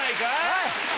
おい！